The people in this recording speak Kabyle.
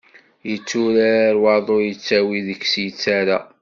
Yetturar waḍu yettawi deg-s yettara.